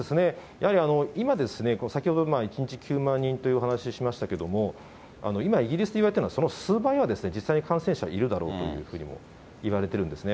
やはり今ですね、先ほど、１日９万人という話しましたけど、今、イギリスでいわれているのはその数倍は実際に感染者いるだろうというふうにもいわれているんですね。